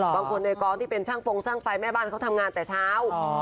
บางคนในกองที่เป็นช่างฟงช่างไฟแม่บ้านเขาทำงานแต่เช้า